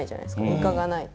イカがないと。